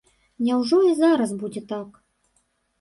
Няўжо і зараз будзе так?